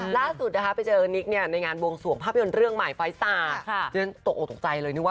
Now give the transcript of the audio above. ล่าสุดไปเจอนิคในงานบวงส่วงภาพยนตร์เรื่องหมายไฟซาร์